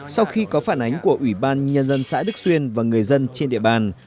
sau khi có phản ánh của ủy ban nhân dân xã đức xuyên và người dân trên địa bàn